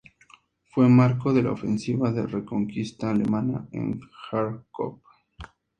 Fue marco de la ofensiva de reconquista alemana en Járkov.